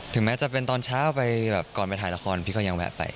ถึงมันจะไปตอนเช้าก่อนก็ยังไป